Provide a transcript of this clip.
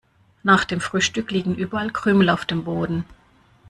Nach dem Frühstück liegen überall Krümel auf dem Boden.